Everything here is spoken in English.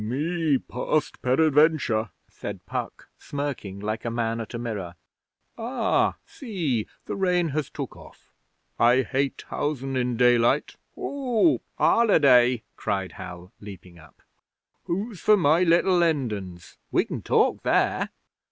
Me past peradventure,' said Puck, smirking like a man at a mirror. 'Ah, see! The rain has took off! I hate housen in daylight.' 'Whoop! Holiday!' cried Hal, leaping up. 'Who's for my Little Lindens? We can talk there.'